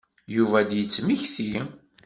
Yuba ad d-yemmekti.